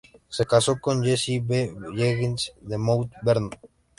Se casó con Jessie B. Jennings de Mount Vernon.